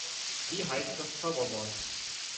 Wie heißt das Zauberwort?